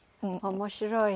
面白い。